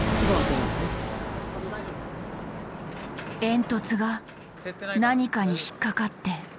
煙突が何かに引っ掛かって動かない。